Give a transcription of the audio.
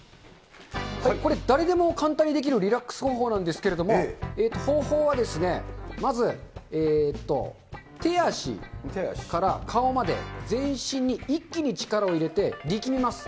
これ、誰でも簡単にできるリラックス方法なんですけど、方法は、まず、手足から顔まで、全身に一気に力を入れて、力みます。